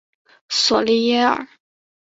索利耶尔。